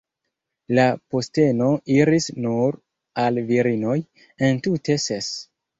La posteno iris nur al virinoj, entute ses.